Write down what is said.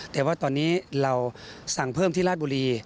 แต่ว่าตอนนี้เราสั่งเพิ่มที่ราชบุรี